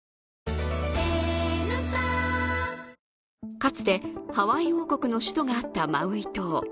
かつてハワイ王国の首都があったマウイ島。